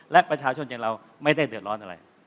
และประชาชนอย่างเราไม่ได้เดือดร้อนอะไร